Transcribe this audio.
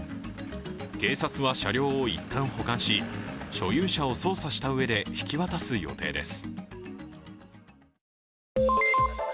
警察は車両を一旦保管し、所有者を捜査したうえで引き渡す予定です。